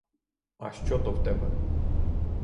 А що то в тебе?